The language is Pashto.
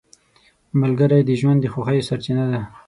ملګری د ژوند د خوښیو سرچینه ده